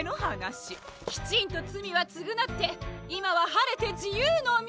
きちんとつみはつぐなっていまははれてじゆうのみ！